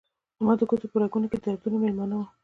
زما د ګوتو په رګونو کې دردونه میلمانه وه